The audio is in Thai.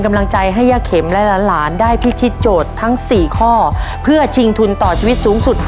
กำลังใจให้ย่าเข็มและหลานหลานได้พิชิตโจทย์ทั้งสี่ข้อเพื่อชิงทุนต่อชีวิตสูงสุด